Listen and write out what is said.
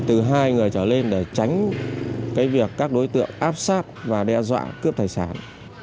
từ hai người trở lên để tránh việc các đối tượng áp sát và đe dọa cướp tài sản